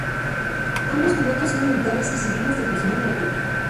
Ambos pilotos son militares y civiles del personal de la flota.